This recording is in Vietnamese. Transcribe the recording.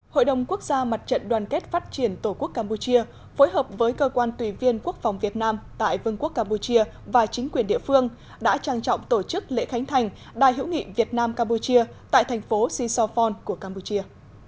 hội đồng quốc gia mặt trận đoàn kết phát triển tổ quốc campuchia phối hợp với cơ quan tùy viên quốc phòng việt nam tại vương quốc campuchia và chính quyền địa phương đã trang trọng tổ chức lễ khánh thành đài hữu nghị việt nam campuchia tại thành phố sisofon của campuchia